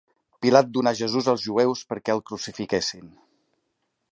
Pilat donà Jesús als jueus perquè el crucifiquessin.